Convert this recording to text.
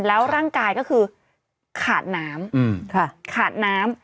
แล้วร่างกายก็คือขาดน้ำ